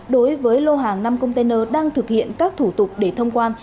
đối với lô hàng năm container đang thực hiện các thủ tục để thông quan